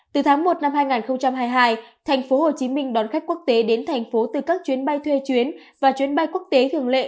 từ tháng một năm hai nghìn hai mươi hai thành phố hồ chí minh đón khách quốc tế đến thành phố từ các chuyến bay thuê chuyến và chuyến bay quốc tế thường lệ